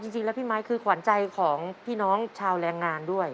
จริงแล้วพี่ไมค์คือขวัญใจของพี่น้องชาวแรงงานด้วย